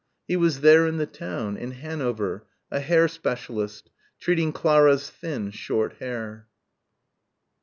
He was there in the town, in Hanover, a hair specialist, treating Clara's thin short hair.